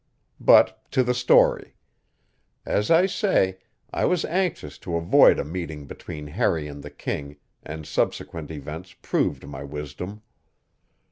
But to the story. As I say, I was anxious to avoid a meeting between Harry and the king, and subsequent events proved my wisdom.